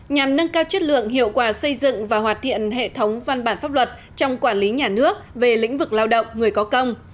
nhằm nâng cao chất lượng hiệu quả xây dựng và hoàn thiện hệ thống văn bản pháp luật trong quản lý nhà nước về lĩnh vực lao động người có công